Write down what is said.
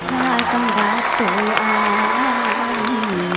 ต้องรักตัวอ้าย